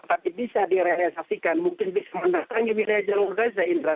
tetapi bisa direalisasikan mungkin bisa mendatangi wilayah jawa barat zainra